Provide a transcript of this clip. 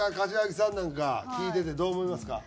柏木さんなんか聞いててどう思いますか？